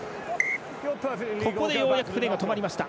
ここで、ようやくプレーが止まりました。